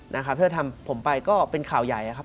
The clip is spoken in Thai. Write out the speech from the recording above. นะครับถ้าทำผมไปก็เป็นข่าวใหญ่นะครับ